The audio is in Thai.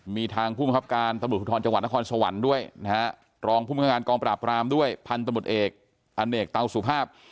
มีทางผู้มีความความตามกรรมกองปราบรามด้วยพันธุ์ตมุทรเอกอัหนเอกเตาสุภาพ